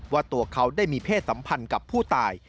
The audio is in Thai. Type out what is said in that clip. ว่าตัวเขาได้มีเพศสัมพันธ์กับผู้ตาย